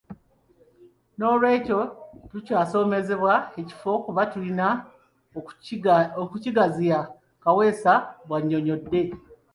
Noolwekyo tukyasoomoozebwa ekifo kuba tulina okukigaziya.” Kaweesa bw'annyonnyodde.